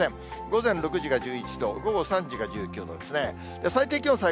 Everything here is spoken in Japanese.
午前６時が１１度、午後３時が１９度ですね。